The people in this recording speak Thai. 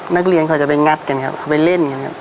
นักเรียนเขาจะไปงัดกันครับเขาไปเล่นกันครับ